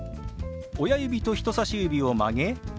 親指と人さし指を曲げ